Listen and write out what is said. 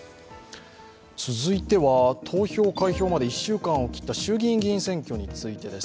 続いては、投票開票まで１週間を切った衆議院選挙です。